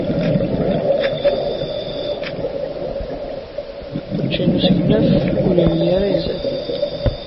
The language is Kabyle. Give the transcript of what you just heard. Učči n usegnaf ur yelli ara izad.